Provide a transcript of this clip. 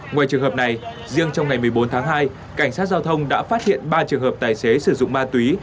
ngoài trường hợp này riêng trong ngày một mươi bốn tháng hai cảnh sát giao thông đã phát hiện ba trường hợp tài xế sử dụng ma túy